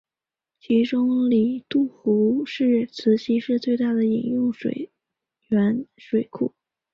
其中里杜湖是慈溪市最大的饮用水源水库。